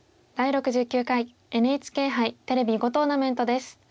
「第６９回ＮＨＫ杯テレビ囲碁トーナメント」です。